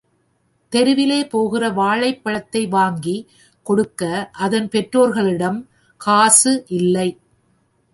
தெருவிலே போகிற வாழைப்பழத்தை வாங்கிக் கொடுக்க அதன் பெற்றோர்களிடம் காசு இல்லை.